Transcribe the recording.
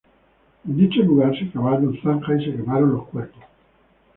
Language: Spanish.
En dicho lugar se cavaron zanjas y se quemaron los cuerpos.